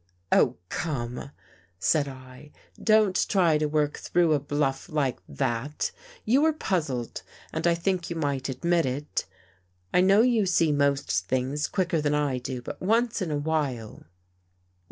"Oh, come!" said I. "Don't try to work through a bluff like that. You were puzzled and I think you might admit it. I know you see most things quicker than I do, but once in a while